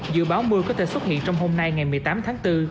dự báo mưa có thể xuất hiện trong hôm nay ngày một mươi tám tháng bốn